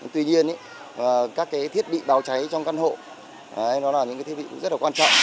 tuy nhiên các thiết bị báo cháy trong căn hộ là những thiết bị rất quan trọng